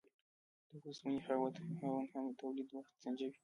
د اوسپنې خاوند هم د تولید وخت سنجوي.